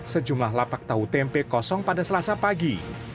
sejumlah lapak tahu tempe kosong pada selasa pagi